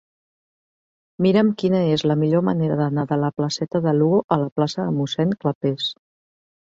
Mira'm quina és la millor manera d'anar de la placeta de Lugo a la plaça de Mossèn Clapés.